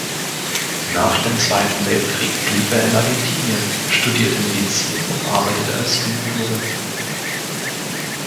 Nach dem Zweiten Weltkrieg blieb er in Argentinien, studierte Medizin und arbeitete als Gynäkologe.